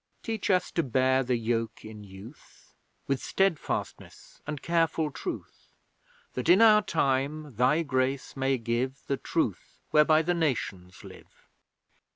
Teach us to bear the yoke in youth, With steadfastness and careful truth; That, in our time, Thy Grace may give The Truth whereby the Nations live.